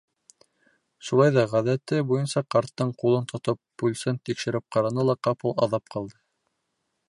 Шулай ҙа ғәҙәте буйынса ҡарттың ҡулын тотоп пульсын тикшереп ҡараны ла ҡапыл аҙап ҡалды.